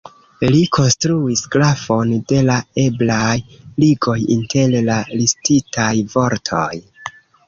Li konstruis grafon de la eblaj ligoj inter la listitaj vortoj.